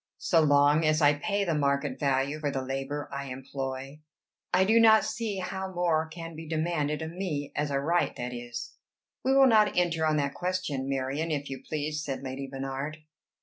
So long as I pay the market value for the labor I employ, I do not see how more can be demanded of me as a right, that is." "We will not enter on that question, Marion, if you please," said Lady Bernard.